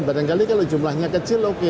barangkali kalau jumlahnya kecil oke